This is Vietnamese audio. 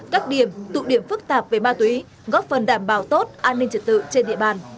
các điểm tụ điểm phức tạp về ma túy góp phần đảm bảo tốt an ninh trật tự trên địa bàn